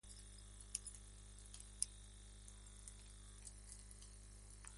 El coro alaba las alegrías de la vida de casada.